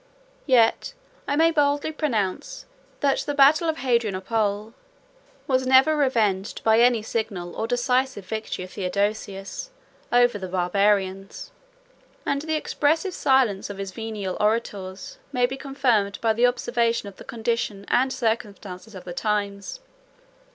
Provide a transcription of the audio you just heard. Yet I may boldly pronounce, that the battle of Hadrianople was never revenged by any signal or decisive victory of Theodosius over the Barbarians: and the expressive silence of his venal orators may be confirmed by the observation of the condition and circumstances of the times.